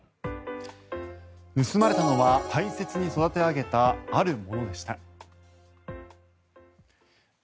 盗まれたのは大切に育て上げたあるものでした。